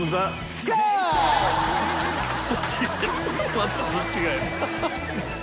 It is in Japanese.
また間違えた。